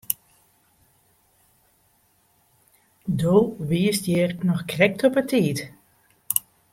Do wiest hjir noch krekt op 'e tiid.